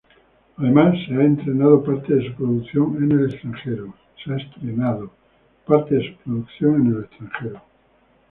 Además, se ha estrenado parte de su producción en el extranjero.